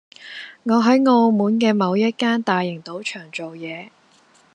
我喺澳門嘅某一間大型賭場做嘢